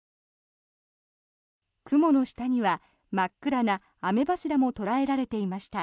雲の下には真っ暗な雨柱も捉えられていました。